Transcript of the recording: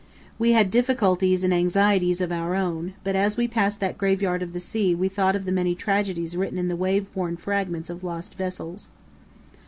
We had difficulties and anxieties of our own, but as we passed that graveyard of the sea we thought of the many tragedies written in the wave worn fragments of lost vessels.